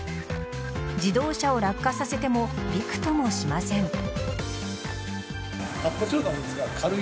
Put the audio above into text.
自動車を落下させてもびくともしません。